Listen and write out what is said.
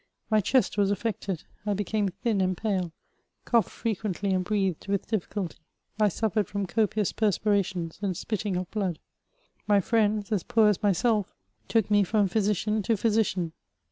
My chest was affected; I became thin and pale; coughed frequently, and breathed with difficulty ; I suffered from copious perspirations and spitting of blood. My friends, as poor as myself, took me from physician to physician.